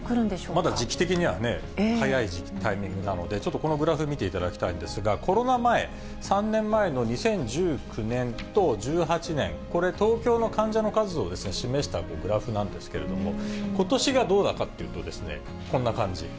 まだ時期的にはね、早いタイミングなので、ちょっとこのグラフ見ていただきたいんですが、コロナ前、３年前の２０１９年と１８年、これ、東京の患者の数を示したグラフなんですけれども、ことしがどうなるかというと、こんな感じ。